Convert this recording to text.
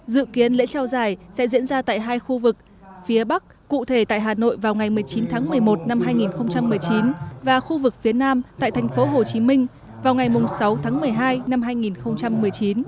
dự kiến lễ trao giải sẽ diễn ra tại hai khu vực phía bắc cụ thể tại hà nội vào ngày một mươi chín tháng một mươi một năm hai nghìn một mươi chín và khu vực phía nam tại thành phố hồ chí minh vào ngày sáu tháng một mươi hai năm hai nghìn một mươi chín